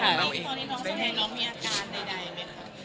พอที่น้องสนิทน้องมีอาการใดไหมค่ะ